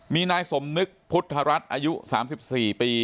มีนายสมนึกพุทธรัฐอายุ๓๔ปี